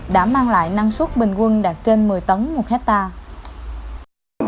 đã mang lại năng suất bình quân đạt trên một mươi tấn một hectare